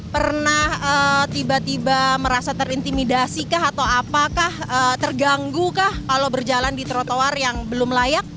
pernah tiba tiba merasa terintimidasi kah atau apakah terganggu kah kalau berjalan di trotoar yang belum layak